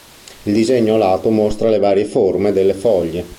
Il disegno a lato mostra le varie forme delle foglie.